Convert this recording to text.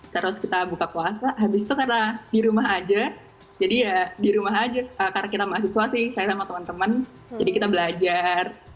terus kita buka puasa habis itu karena di rumah aja jadi ya di rumah aja karena kita mahasiswa sih saya sama teman teman jadi kita belajar